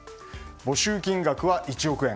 募集金額は１億円。